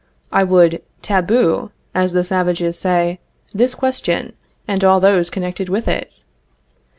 I would taboo, as the savages say, this question, and all those connected with it.